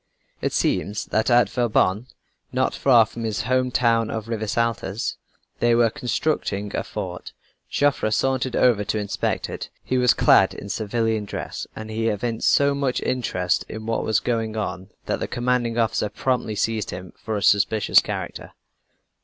It seems that at Vauban, not far away from his home town of Rivesaltas, they were constructing a fort. Joffre sauntered over to inspect it. He was clad in civilian dress and he evinced so much interest in what was going on that the commanding officer promptly seized him for a suspicious character.